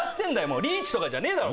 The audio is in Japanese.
もうリーチとかじゃねえだろ